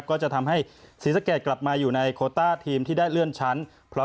ก็จะทำให้ศรีสะเกดกลับมาอยู่ในโคต้าทีมที่ได้เลื่อนชั้น